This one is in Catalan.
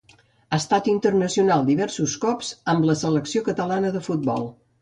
Ha estat internacional diversos cops amb la selecció catalana de futbol.